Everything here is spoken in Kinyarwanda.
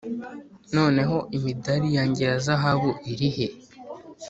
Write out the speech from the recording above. noneho imidari yanjye ya zahabu irihe?